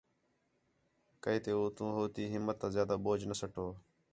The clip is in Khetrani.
کَئی تے اُتّوں ہو تی ہِمت آ زیادہ بوجھ نہ سَٹو